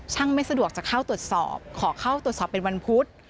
ไม่สะดวกจะเข้าตรวจสอบขอเข้าตรวจสอบเป็นวันพุธ